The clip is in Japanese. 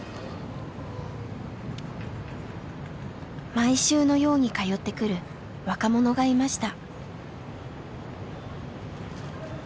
毎週のように通ってくる若者がいました。